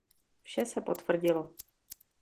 Vše se potvrdilo.